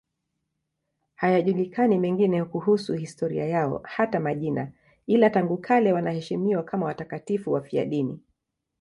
Hayajulikani mengine kuhusu historia yao, hata majina, ila tangu kale wanaheshimiwa kama watakatifu wafiadini.